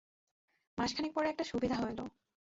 মাসখানেক পরে একটা সুবিধা হইল।